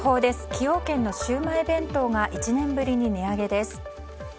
崎陽軒のシウマイ弁当が１年ぶりに値上げです。